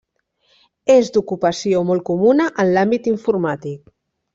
És d'ocupació molt comuna en l'àmbit informàtic.